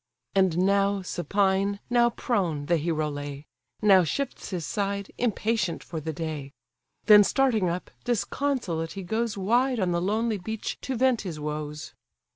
And now supine, now prone, the hero lay, Now shifts his side, impatient for the day: Then starting up, disconsolate he goes Wide on the lonely beach to vent his woes.